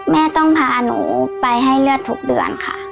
แม่ต้องพาหนูไปให้เลือดทุกเดือนค่ะ